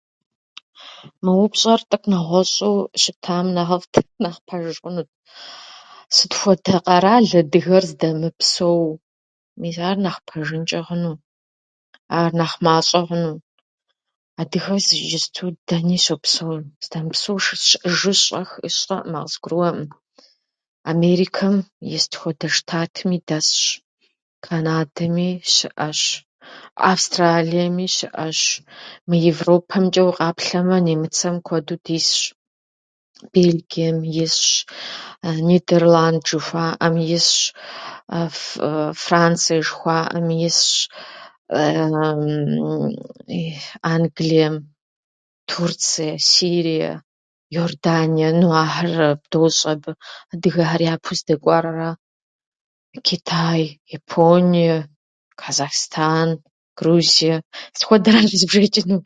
Мы упщӏэр тӏэкӏу нэгъуэщӏу щытам нэхъыфӏт, тӏэкӏу нэхъ пэж хъунут. Сыт хуэдэ къэрал адыгэр здэмыпсэу, мис ар нэхъ пэжынчӏэ хъуну, ар нэхъ мащӏэ хъуну. Адыгэр иджыпсту дэни щопсэу, здэмыпсэу щы- щыӏэжу сщӏэ-, сщӏэӏымэ, къызгурыӏуэӏым. Америкэм и сыт хуэдэ штатми дэсщ, Канадэми щыӏэщ, Австралиеми щыӏэщ. Мы Европэмчӏэ укъаплъэмэ, Немыцэми куэду дисщ, Бельгием исщ, Нидерланд жыхуаӏэм исщ, Францие жыхуаӏэм исщ, Англием, Турцие, Сирие, Иордание, ну, ахьэр дощӏ абы. Адыгэр япэу здэкӏуар ара. Китай, Японие, Казахстан, Грузие, сыт хуэдэр кезбжэчӏын...